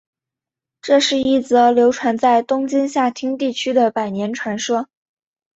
这是一则流传在东京下町地区的百年传说。